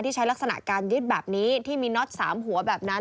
ใช้ลักษณะการยึดแบบนี้ที่มีน็อต๓หัวแบบนั้น